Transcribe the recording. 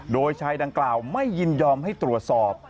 โดยชายดังกล่าวไม่ยินยอมให้ตรวจสอบ